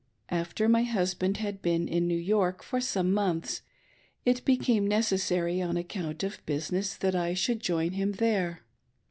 After my husband had been in New York for some months, it became necessary on account of business that I should join him there.